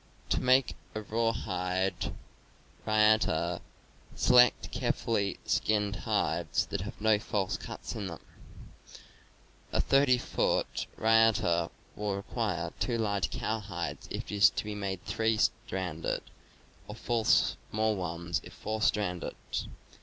To make a rawhide riata: select carefully skinned hides that have no false cuts in them. A 30 foot riata will require two large cowhides if it is to be made three stranded, or four small ones if four stranded.